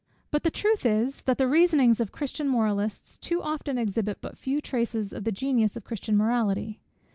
But the truth is, that the reasonings of Christian moralists too often exhibit but few traces of the genius of Christian morality.